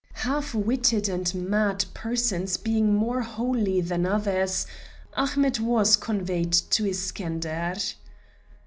Half witted and mad persons being more holy than others, Ahmet was conveyed to Iskender.